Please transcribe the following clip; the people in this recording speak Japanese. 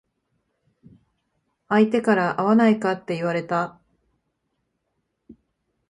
相手から会わないかって言われた。